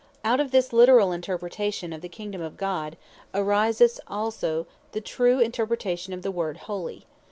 Out of this literall interpretation of the Kingdome of God, ariseth also the true interpretation of the word HOLY.